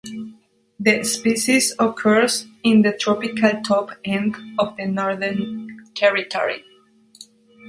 The species occurs in the tropical Top End of the Northern Territory.